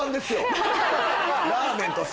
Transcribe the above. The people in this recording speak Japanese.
ラーメンと酒。